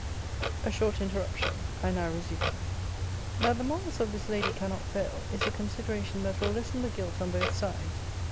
A short interruption. I now resume. That the morals of this lady cannot fail, is a consideration that will lessen the guilt on both sides.